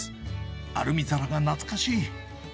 アルミ皿が懐かしい。